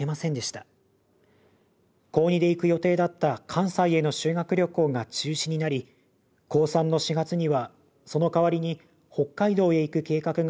高２で行く予定だった関西への修学旅行が中止になり高３の４月にはその代わりに北海道へ行く計画がたてられました。